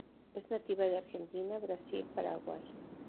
Es nativa de Argentina, Brasil, Paraguay.